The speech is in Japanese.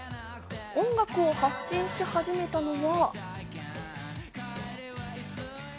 音楽を発信し始めたのは。